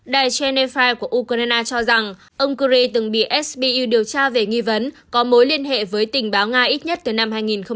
đài genefa của ukraine cho rằng ông kuri từng bị sbu điều tra về nghi vấn có mối liên hệ với tình báo nga ít nhất từ năm hai nghìn một mươi